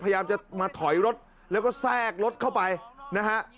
พยายามจะมาถอยรถแล้วก็แทรกรถเข้าไปนะฮะ